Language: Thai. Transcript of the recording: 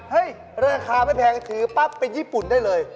ราคาไม่แพงถือปั๊บเป็นญี่ปุ่นได้เลย